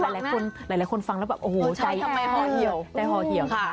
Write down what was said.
หลายคนฟังแล้วแบบโอ้โหใจห่อเหี่ยว